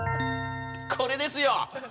これですよ！